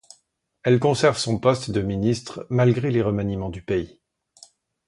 Elle conserve son poste de ministre malgré les remaniements du pays.